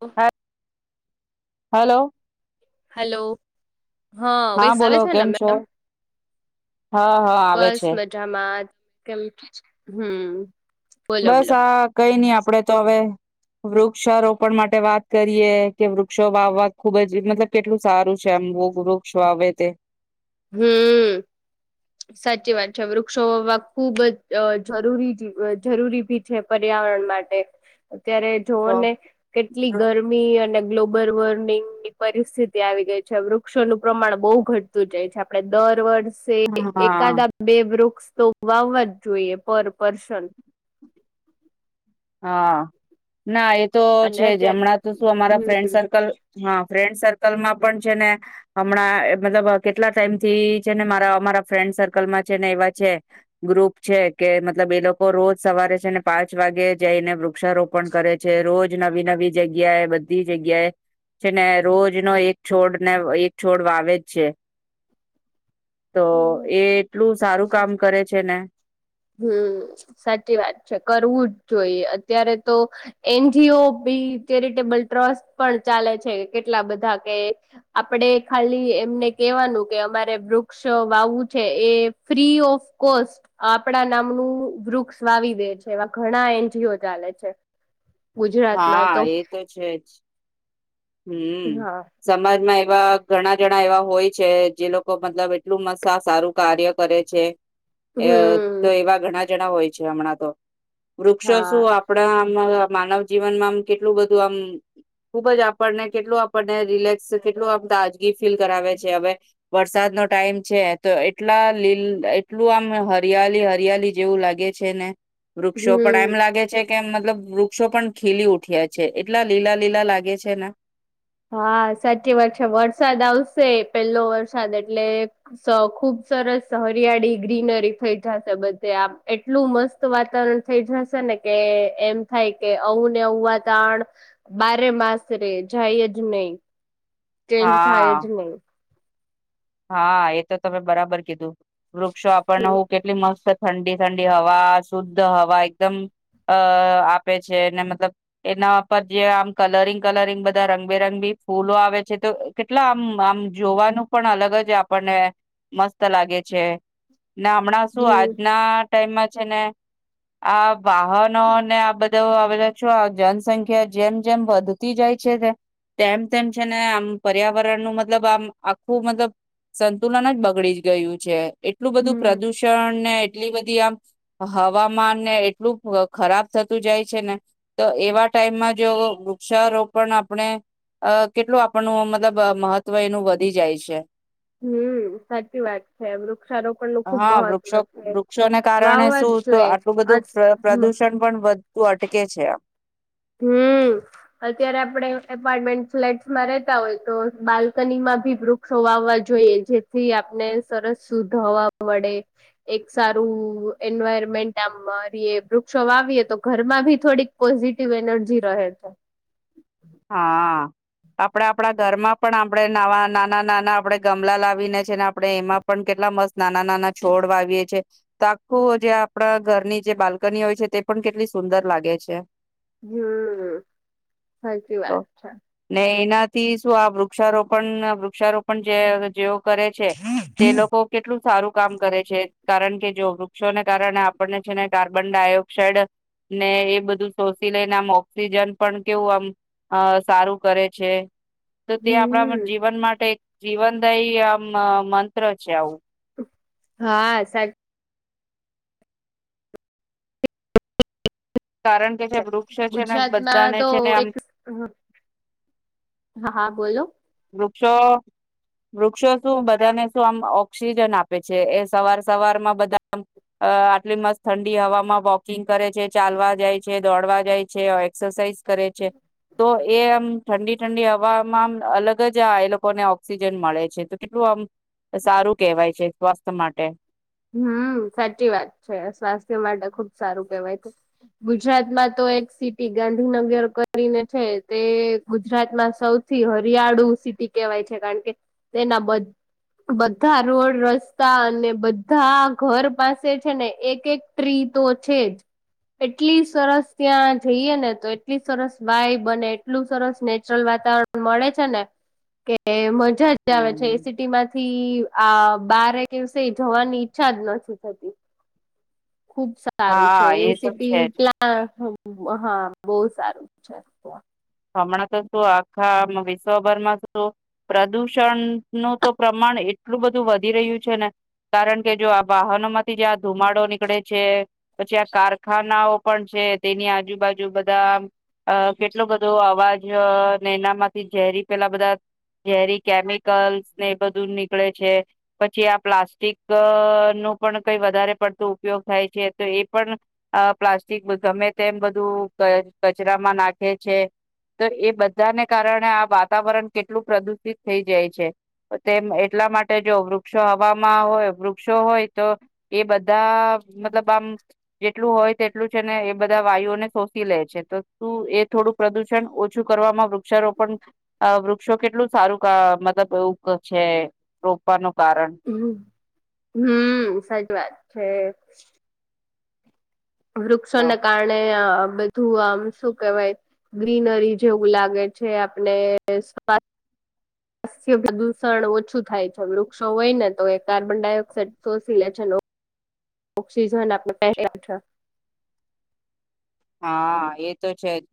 ઓ. Hello. Hello. હા, હવે સારે બોલો છે ને કેમ છો મેમ. હા હા આવે બસ છે મજામાં. હમ્મ. બસ આ કઈ નહી આપ આપડે તો હવે વૃક્ષારોપણ માટે વાત કરીએ કે વૃક્ષો વાવવા ખુબ જ મતલબ કેટલું સારું છે એમ વૃક્ષ વાવે તે હમ્મ, સાચી વાત છે. વૃક્ષો ખુબ જ અહ જરૂરી જી જરૂરી ભી છે પર્યાવરણ માટે. ત્યારે જોઓ તો ને કેટલી ગરમી અને ગ્લો બર વોર્નિંગની પરિસ્થિતિ આવી ગઈ છે. વૃક્ષોનું પ્રમાણ બહુ ઘટતું જાય છે આપડે દર વર્ષ સે હા એકાદ આ બે વૃષ તો વાવા જ જોઈએ પર પર્સન. હા, ના એ તો અને છે જ અત્યારે હમણાં તો શું અમારા ફ્રેન્ડ હમ સર્કલ હા ફ્રેન્ડ સર્કલમાં પણ છે ને હમણાં અહ મતલબ કેટલા ટાઈમ થી છે ને મારા અમારા ફ્રેન્ડ સર્કલમાં છે ને એવા છે ગ્રુપ છે કે મતલબ એ લોકો રોજ સવારે છે ને પાંચ વાગે જાયને વૃક્ષારોપણ કરે છે રોજ જે નવી નવી જગ્યાએ બધી જગ્યાએ છે ને રોજ નો એક છોડ ને એક છોડ વાવે જ છે. તો એ એટલું સારું કામ કરે છે ને હમ્મ, સાચી વાત છે કરવું જ જોઈ અત્યારે તો એનજીઓ બી ચેરિટેબલ ટ્રસ્ટ પણ ચાલે છે કેટલા બધા કે આપડે ખાલી એમને કેવાનું કે અમારે વૃક્ષ વાવું છે એ ફ્રી ઓફ કોસ્ટ આપણા નામનું વૃક્ષ વાવી દે છે એવા ઘણા એનજીઓ ચાલે છે. હા એ તો છે જ. [unintelligible] હા એવા ઘણા જણા એવા હોય છે જે લોકો મતલબ એટલું મસ્ત આ સારું કાર્ય કરે છે. અ તો હમ એવા ઘણા જના હોય છે હમણાં તો વૃક્ષો હા શું આપડા. માનવ જીવનમાં આમ કેટલું બધું આમ ખુબ જ આપને કેટલું આપણને રિલેક્સ કેટલું આપતા ફીલ કરાવે છે હવે વરસાદ નો ટાઈમ છે તો એટલા લીલ એટલું આમ હરિયાલી હરિયાલી જેવું લાગે છે ને વૃક્ષો પણ હમ એમ લાગે છે. કેમ મતલબ વૃક્ષો પણ ખીલી ઉઠ્યા છે એટલા લીલા લીલા લાગે છે ને હા સાચી વાત છે વરસાદ આવશે પેલો વરસાદ એટલે ખુબ સરસ હરિયાળી ગ્રીનરી થઈ જશે બધે આમ એટલું મસ્ત વાતાવરણ થઈ જશે ને કે એમ થાય કે આવું ને આવું વાતાવરણ બારે માસ રે જાય જ નહી. ચેન્જ થાય હા જ નહી. હા એ તો તમે બરાબર કીધું વૃક્ષો આપણને હમ હું કેટલી મસ્ત. ઠંડી ઠંડી હવા શુદ્ધ હવા એકદમ અ આપે છે મતલબ એના પર જે આમ કલરિંગ કલરિંગ બધા રંગબેરંગ બી ફૂલો આવે છે તો કેટલા આમ આમ જોવાનું પણ અલગ મગજ આપણને મસ્ત લાગે છે. ને હમણાં શું આજના ટાઈમમાં છેને આ વાહનો ને આ બ ધા આવે છો જનસંખ્યા જેમ જેમ વધતી જાય છે તેમ તેમ છે ને આમ પર્યાવરણ નું મતલબ આમ આખું મતલબ સંતુલન જ બગડી ગયું છે. એટલું બધું હમ પ્રદૂષણ ને એટલી બધી આમ હવામાન ને એટલું ખરાબ થતું જાય છે ને તો એવા ટાઈમમાં જો વૃક્ષારોપણ આપણે અ કેટલું આપણનું મતલબ મહત્વ એનું વધી જાય છે. હમ સાચી વાત છે વૃક્ષારોપણ નું ખુબ હા મહત્વ વૃક્ષો છે વૃક્ષોને કારણે વાવવા જ શું તો જોએ આટલું બધું પ્ર પ્રદુષણ પણ વધતું [unintelligible] અટકે છે. હમ અત્યારે આપણે એપાર્ટમેન્ટ ફ્લેટસમાં રેતા હોય તો બાલ્કનીમાં ભી વૃક્ષો વાવવા જોઈએ જેથી આપને સરસ શુદ્ધ હવા મળે એક સારું એન્વાયરમેન્ટ આમ મારીએ વૃક્ષો વાવીએ તો ઘરમાં ભી થોડીક પોઝિ ટીવ એનર્જી રહે હા આપણેે આપણા ઘરમાં પણ આપણેે નાવા નાના નાના આપણેે ગમલા લાવીને છે ને આપણે એમાં પણ કેટલા મસ્ત નાના નાના છોડ વાવીએ છીએ તો આખું જે આપણા ઘરની જે બાલ્કની હોય છે તે પણ કેટલી સુંદર લાગે છે. હમ સાચી વાત છે. થી શું આ વૃક્ષારોપણ વૃક્ષારોપણ જે જેઓ કરે છે તે લોકો કેટલું સારું કામ કરે છે કારણ કે જો વૃક્ષોને કારણે આપણને છે ને કાર્બન ડાયોક્સાઇડ ને એ બધું શોષી લઈને આમ ઓક્સિજન પણ કેવું આમ અહ સારું કરે છે. તો તે આપડા હમ જીવન માટે જીવનદાઈ આમ અહ મંત્ર છે આઉં. હા સા કારણ કે જે વૃક્ષ છે ને બધાને ગુજરાતમાં તો છે ને આમ એક હા બોલો. વૃક્ષો વૃક્ષો શું બધાને શું આમ ઓક્સિજન આપે છે એ સવાર સવારમાં બધામ અહ આટલી મસ્ત ઠંડી હમાં વોકિંગ કરે છે, ચાલવા જાય છે, દોડવા જાય છે, એક્સરસાઇઝ કરે છે, તો એ આમ ઠંડી ઠંડી હવામાં આમ અલગ ગજ આ એ લોકોને ઓક્સિજન મળે છે તો કેટલું આમ સારું કેહેવાય છે સ્વાસ્થ્ય માટે. હમ્મ, સાચી વાત છે સ્વાસ્થ્ય માટે ખુબ સારું કેહેવાય છે ગુજરાતમાં તો એક સિટી ગાંધીનગર કરીને છે તે ગુજરાતમાં સૌથી હરિયાળુ સિટી કેહેવાય છે કારણ કે તેના બધ-બધા રોડ રસ્તા અને બધ ધા ઘર પાસે છે ને એક એક ટ્રી તો છે જ એટલી સરસ ત્યાં જઈએ ને તો એટલી સરસ વાઈબ અને એટલું સરસ નેચરલ વાતાવરણ મળે છે ને કે એમજ જા આવે છે એ હમ સિટી માંથી આ બારે દિવસે જવાન ઈચ્છા જ નથી થતી. ખુબ સારું છે હા એ તો છે સિટી જ પ્લા હ હા, બહુ સારું છે તો. હમણાં તો શુ આખા વિશ્વભરમાં શુ પ્રદુષણ નું તો પ્રમાણ એટલું બધું વધી રહ્યું છે ને કારણ કે જો આ વાહનો માંથી જે આ ધુમાડો નીકળે છે પછી આ કારખાનાઓ પણ છે તેની આજુબાજુ બધા અહ કેટલો બ ધો અવાજ અહ ને એનામાંથી ઝેરી પેલા બધા ઝેરી કેમિકલ્સ ને એ બધું નીકળે છે. પછી આ પ્લાસ્ટિક નું પણ કઈ વધારે પડતું ઉપયોગ થાય છે તો એ પણ અહ પ્લાસ્ટિક ગમે તેમ બધું ક કચરામાં નાખે છે. તો એ બધાને કારણે આ વાતાવરણ કેટલું પ્રદુષિત થઈ જાય છે તેમ એટલા માટે જો વૃક્ષો હવામાં હોય વૃક્ષો હોય તો એ બધ ધા મતલબ આમ જેટલું હોય તેટલું છે ને એ બધા વાયુઓને શોષી લે છે તો તું એ થોડુંક પ્રદુષણ ઓછું કરવામાં વૃ ક્ષારોપણ આ વૃ વૃક્ષો કેટલું સારું અહ મતલબ એવુંક છે રોપવાનું કારણ. હમ્મ, સારી વાત છે. તો વૃક્ષોને કારણે અહ આ બધું આમ શું કેહેવાય ગ્રીનરી જેવું લાગે છે આપણે [unintelligible] [inaudible] પ્રદુષણ ઓછું થાય છે વૃક્ષો હોય ને તો એ કાર્બન ડાયોક્સાાઈડ શોષી લે છે નો ઓક્સીજન આપને [inaudible] હા, એ તો છે જ.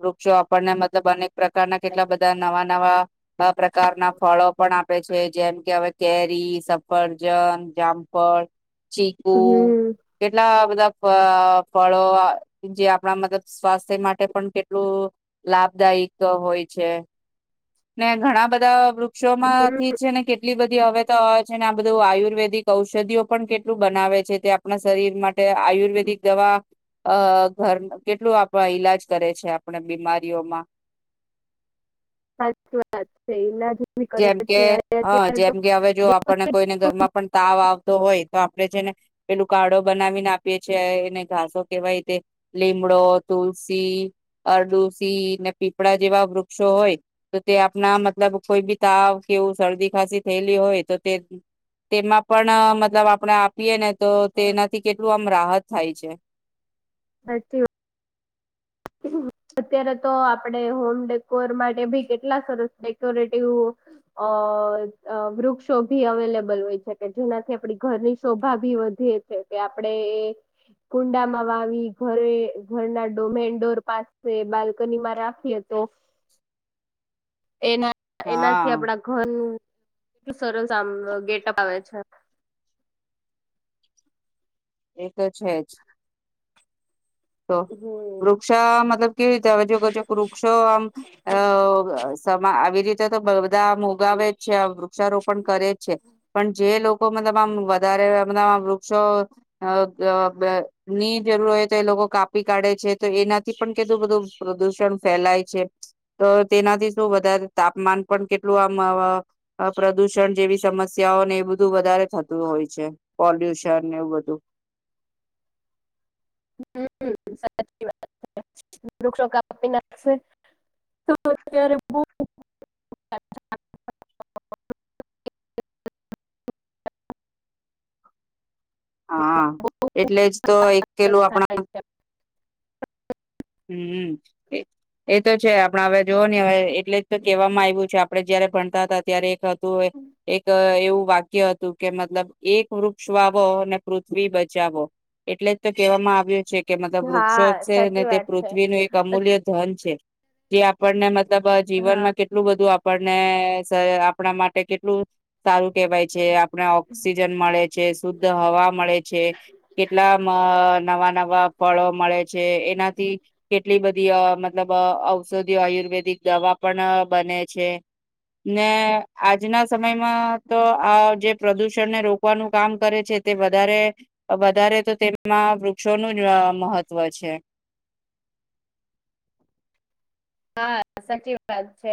વૃક્ષો આપણને મતલબ અનેક પ્રકારના કેટલા બધા નવા નવા આ પ્રકારના ફળો પણ આપ આપે છે જેમ કે હવે કેરી, સફરજન, જામફળ ચીકુ, હમ કેટલા બધા ફઆ ફળો આ જે આપણા મતલબ સ્વાસ્થ્ય માટે પણ કેટલું લાભદાઈક હોય છે. ને ઘણા બધા વૃ ક્ષો હમ, માંથી છે ને કેટલી બ ધી હવે તો છે ને આ બધું આયુર્વેદિક ઔષધિઓ પણ કેટલું બનાવે છે તે આપણા શરીર માટે આયુર્વેદિક દવા અહ ઘર કેટલું આપ ઈલાજ કરે છે આપણે બીમારીઓમાં સાચી વાત છે ઈલાજ બી કરે જેમ છે કે અને હા અત્યારે તો જેમ કે હવે જો આપણને કોઈને ઘરમાં પણ તાવ આવતો હોય તો આપડે છેને પેલું કાળો બનાવીને આપીએ છે એને ઘાસો કેહેવાય તે લીમડો, તુલસી, અરદુસી, ને પીપળા જેવા વૃક્ષો હોય તો તે આપના મતલબ કોઈ બી તાવ કે એવું શરદી ખાસી થયેલી હોય તો તે તેમાં પણ અહ મતલબ આપણે આપીએ ને તો તેનાથી કેટલું આમ રાહત થાય છે. હાચુ અત્યારે તો આપડે હોમ ડેકોર માટે ભી કેટલા સરસ ડેકોરેટિવ અહ અહ વૃક્ષો ભી અવેલેબલ હોય છે કે જેનાથી આપડી ઘરની શોભા ભી વધીએ છે કે આપડે એ કુંડામાં વાવી ઘરે ઘરના ડોમેન ડોર પાસે બાલ્કની માં રાખીએ તો એના એનાથી હા. આપણા ઘરનું એટલું સરસ આમ ગેટઅપ આવે છે. એ તો છે જ તો હમ વૃક્ષા મતલબ કેવી રીતે હવે જો કે વૃક્ષો આમ સ આવી રીતે તો બધા આમ ઉગાવે જ છે વૃ વૃક્ષા રોપણ કરે છે, પણ જે લો કો મતલબ આમ વધારે અમ વૃક્ષો અ અ ની જરૂર હોય તો એ લોકો કાપી કાઢે છે તો એનાથી પણ કેટલું બધું પ્રદૂષણ ફેલાય છે, તો તેનાથી શું વધારે તાપમાન પણ કેટલું આમ પ્રદુષણ જેવી સમસ્યાઓને એ બધું વધારે થતું હોય છે. પોલ્યુશન એવું બધું હમ. સાચી વાત છે વૃક્ષો કાપી નાખશે તો અત્યારે બો હા એટલે જ તો એક કે નું થાય આપણા છે. હમ. એ તો છે આપણા હવે જોવ ને હવે એટલે જ તો કેહેવામાં આવ્યું છે. આપડે જયારે ભણતા હતા ત્યારે એક તો એક એવું વાક્ય હતું કે મતલબ એક વૃક્ષ વાવો અને પૃથ્વી બચાવો એટલે જ તો કહેવામાં આવે છે કે મતલબ વૃક્ષો હા છે ને સાચી તે વાત છે. પૃથ્વીનું એક અમૂલ્ય ધન જે આપણને મ મતલબ હા જીવન માં કેટલું બધું આપણને સર આપણા માટે કેટલું સારું કેવાય છે. આ આપને ઓક્સિજન મળે છે શુદ્ધ હવા મળે છે કેટલા આમ અહ નવા નવા ફળો મળે છે એનાથી કેટલી બધી અહ મતલબ અહ ઔષધિઓ આયુર્વેદિક દવા પણ બને છે ને આજના સમયમાં તો અહ જે પ્રદુષણને રોકવાનું કામ કરે છે તે વધારે વધારે તો તેમાં વૃક્ષોનું જ અહ મહત્વ છે. હા, સાચી વાત છે.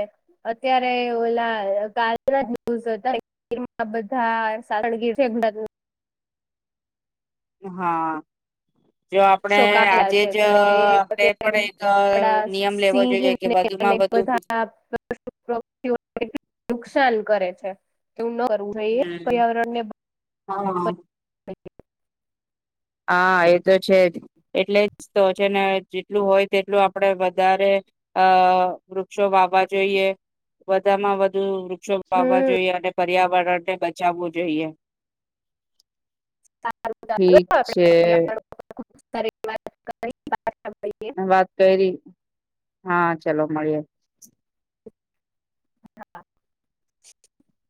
અત્યારે ઓલા [inaudible] હા. જો આપણે ષો કપેલા આજે છે જ તો એ આપણે અત્યારે પણ એક આપડા નિયમ લેવો જોઈએ કે સિંહને અને વધુમાં વધુ બધાતિ [inaudible] નુકસાન કરે છે. એવું ના કરવું જોઈએ પર્યાવરણ ને હા. [inaudible] [inaudible] હા, એ તો છે જ. એટલે જ તો છે ને જેટલું હોય તેટલું આપડે વધારે અહ વૃક્ષો વાવવા જોઈએ વધામાં વધુ વૃ ષો વાવા હમ જોઈએ અને પ પર્યાવરણને બચાવવું જોઈએ. સારું [inaudible] આપડે જે [inaudible] મળીએ મેં વાત કંઈરી. હા ચલો મળીએ. [unintelligible]